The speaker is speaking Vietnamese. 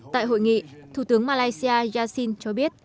tại hội nghị thủ tướng malaysia yassin cho biết